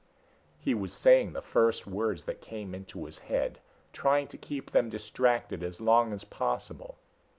He was saying the first words that came into his head, trying to keep them distracted as long as possible.